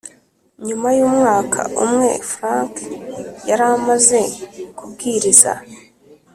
Nyuma y umwaka umwe frank yari amaze kubwiriza